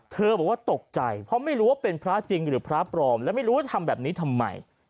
บอกว่าตกใจเพราะไม่รู้ว่าเป็นพระจริงหรือพระปลอมและไม่รู้ว่าทำแบบนี้ทำไม